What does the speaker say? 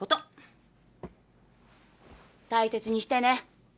大切にしてね。